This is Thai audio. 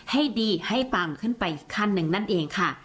ให้ดีให้ปังขึ้นไปอีกขั้นหนึ่งนั่นเองค่ะ